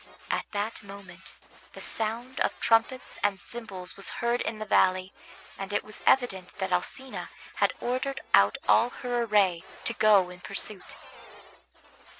At that moment the sound of trumpets and cymbals was heard in the valley, and it was evident that Alcina had ordered out all her array to go in pursuit.